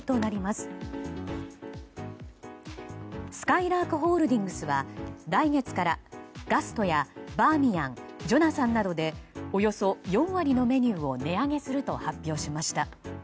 すかいらーくホールディングスは来月からガストやバーミヤンジョナサンなどでおよそ４割のメニューを値上げすると発表しました。